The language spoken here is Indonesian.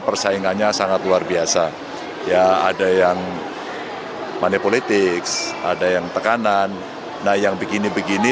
persaingannya sangat luar biasa ya ada yang money politics ada yang tekanan nah yang begini begini